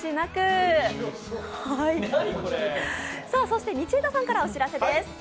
そして道枝さんからお知らせです。